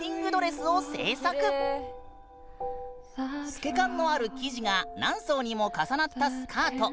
透け感のある生地が何層にも重なったスカート。